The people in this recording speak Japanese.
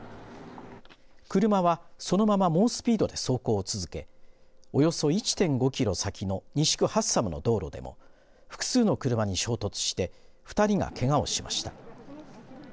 車はそのまま猛スピードで走行を続けおよそ１．５キロ先の西区発寒の道路でも複数の車に衝突して２人がけがをしました。